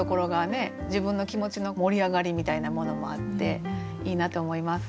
自分の気持ちの盛り上がりみたいなものもあっていいなと思います。